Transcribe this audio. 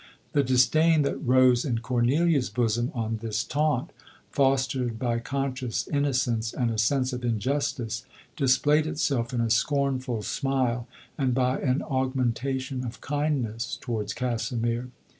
The disdain that rose in Cornelia's bosom on this taunt, fostered by conscious innocence, and a sense of injustice, displayed itself in a scorn ful smile, and by an augmentation of kind ness towards Casimir.